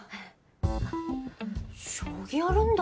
あっ将棋やるんだ？